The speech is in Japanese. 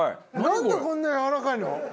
なんでこんなやわらかいの？